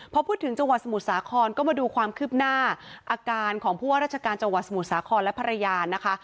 พอพูดถึงจังหวัดสมุทรสาครก็มาดูความคืบหน้าอาการของผู้ว่าราชการจังหวัดสมุทรสาครและภรรยานะคะ